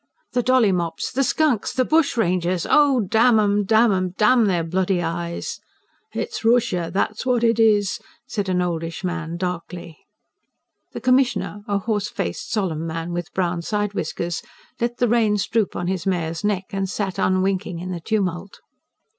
"The dolly mops! The skunks! The bushrangers! Oh, damn 'em, damn 'em! ... damn their bloody eyes!" "It's Rooshia that's what it is!" said an oldish man darkly. The Commissioner, a horse faced, solemn man with brown side whiskers, let the reins droop on his mare's neck and sat unwinking in the tumult.